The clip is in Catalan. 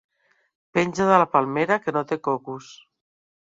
Penja de la palmera que no té cocos.